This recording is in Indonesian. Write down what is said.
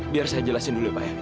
biar saya jelasin dulu pak